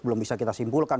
belum bisa kita simpulkan